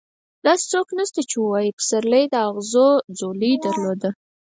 داسې څوک نشته چې ووايي پسرلي د اغزو ځولۍ درلوده.